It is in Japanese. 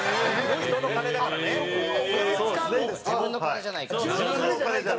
伊藤：自分の金じゃないから。